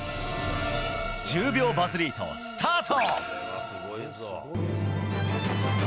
１０秒バズリート、スタート！